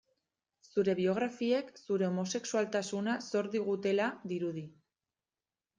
Zure biografiek zure homosexualtasuna zor digutela dirudi.